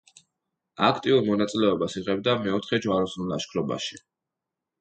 აქტიურ მონაწილეობას იღებდა მეოთხე ჯვაროსნულ ლაშქრობაში.